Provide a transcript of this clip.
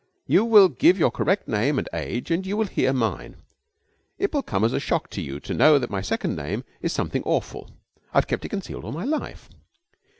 You will give your correct name and age and you will hear mine. It will come as a shock to you to know that my second name is something awful! I've kept it concealed all my life.